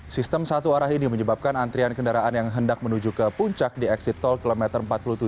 sistem satu arah ini menyebabkan antrian kendaraan yang hendak menuju ke puncak di eksit tol kilometer empat puluh tujuh